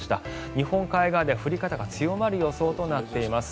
日本海側では降り方が強まる予想となっています。